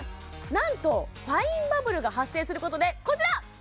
何とファインバブルが発生することでこちら！